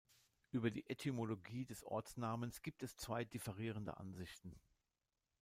Über die Etymologie des Ortsnamens gibt es zwei differierende Ansichten.